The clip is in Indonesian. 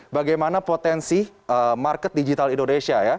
bagaimana potensi market digital indonesia ya